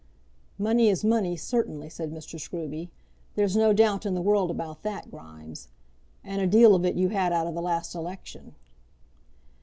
"Money is money, certainly," said Mr. Scruby. "There's no doubt in the world about that, Grimes; and a deal of it you had out of the last election."